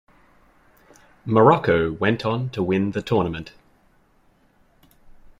Morocco went on to win the tournament.